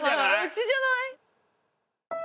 うちじゃない？